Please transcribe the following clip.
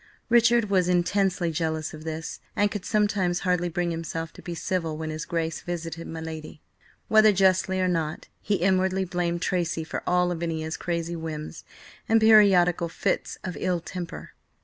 Richard was intensely jealous of this, and could sometimes hardly bring himself to be civil when his Grace visited my lady. Whether justly or not, he inwardly blamed Tracy for all Lavinia's crazy whims and periodical fits of ill temper.